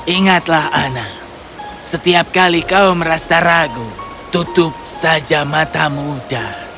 ingatlah ana setiap kali kau merasa ragu tutup saja mata muda